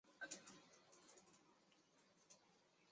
夏绿蒂与布伦威尔创作了有关安格利亚的文章及诗篇。